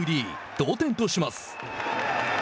同点とします。